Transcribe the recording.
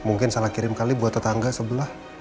mungkin salah kirim kali buat tetangga sebelah